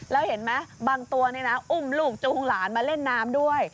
แล้วเห็นไหมบางตัวอุ้มลูกจูงหลานมาเล่นน้ำด้วย